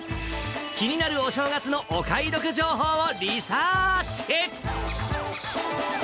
気になるお正月のお買い得情報をリサーチ。